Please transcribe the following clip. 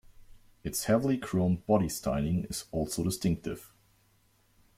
Its heavily chromed body styling is also distinctive.